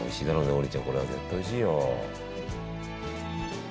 王林ちゃんこれは絶対おいしいよ。